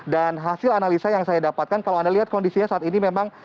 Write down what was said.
dan hasil analisa yang saya dapatkan kalau anda lihat kondisinya saat ini memang